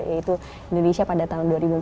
yaitu indonesia pada tahun